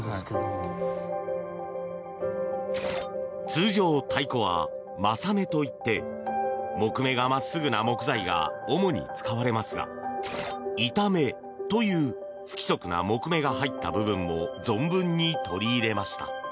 通常、太鼓はまさ目といって木目が真っすぐな木材が主に使われますが板目という不規則な木目が入った部分も存分に取り入れました。